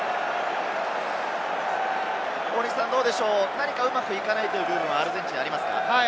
何かうまくいかないという部分がアルゼンチンにありますか？